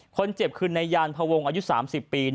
คนเจ็บคือในยานพวงอายุ๓๐ปี